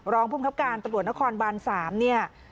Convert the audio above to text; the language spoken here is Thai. รองภูมิครับการตำรวจนครบาน๓เนี่ย